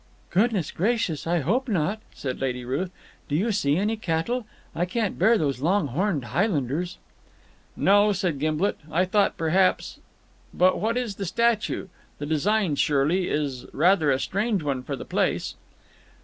"Goodness gracious, I hope not!" said Lady Ruth. "Do you see any cattle? I can't bear those long horned Highlanders!" "No," said Gimblet. "I thought perhaps But what is the statue? The design, surely, is rather a strange one for the place."